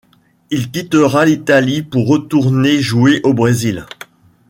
Il quittera l'Italie pour retourner jouer au Brésil.